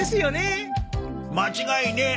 間違いねえ！